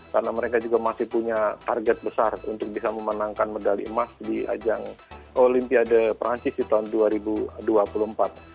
karena mereka juga masih punya target besar untuk bisa memenangkan medali emas di ajang olympiade prancis di tahun dua ribu dua puluh empat